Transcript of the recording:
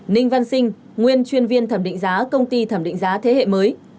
ninh văn sinh nguyên chuyên viên thẩm định giá công ty thẩm định giá thế hệ mới